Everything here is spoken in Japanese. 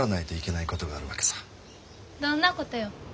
どんなことよ？